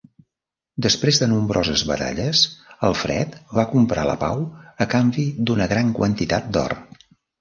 Després de nombroses batalles, Alfred va comprar la pau a canvi d'una gran quantitat d'or.